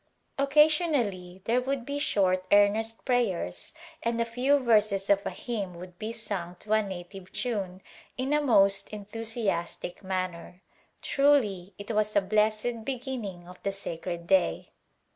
Occasionally there would be short, earnest prayers and a few verses of a hymn would be sung to a native tune in a most enthusiastic manner. Truly it was a blessed beginning of the sacred day.